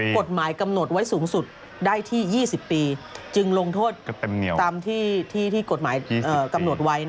กฎหมายกำหนดไว้สูงสุดได้ที่๒๐ปีจึงลงโทษตามที่กฎหมายกำหนดไว้